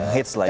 hits lah ya